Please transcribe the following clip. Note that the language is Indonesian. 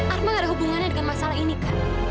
arma gak ada hubungannya dengan masalah ini kan